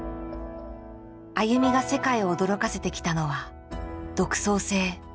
ＡＹＵＭＩが世界を驚かせてきたのは独創性。